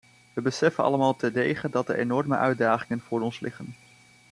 We beseffen allemaal terdege dat er enorme uitdagingen voor ons liggen.